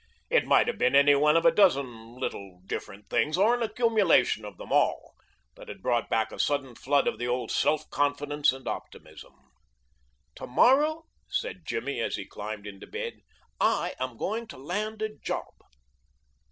It might have been any one of a dozen little different things, or an accumulation of them all, that had brought back a sudden flood of the old self confidence and optimism. "To morrow," said Jimmy as he climbed into his bed, "I am going to land a job."